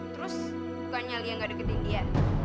terus bukannya lia gak deketin dia